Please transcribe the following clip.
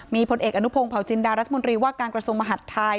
มีผลเอกอนุพงศ์เผาจินดารัฐมนตรีว่าการกระทรวงมหัฐไทย